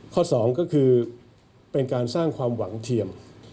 สองก็คือเป็นการสร้างความหวังเทียม